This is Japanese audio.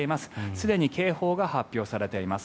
すでに警報が発表されています。